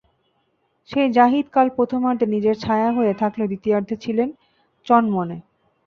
সেই জাহিদ কাল প্রথমার্ধে নিজের ছায়া হয়ে থাকলেও দ্বিতীয়ার্ধে ছিলেন চনমনে।